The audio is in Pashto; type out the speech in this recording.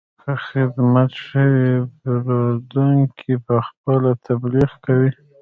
که خدمت ښه وي، پیرودونکی پخپله تبلیغ کوي.